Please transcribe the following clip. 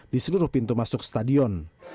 di seluruh pintu masuk stadion